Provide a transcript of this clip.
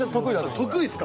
得意ですか？